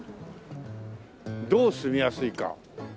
どう住みやすいか。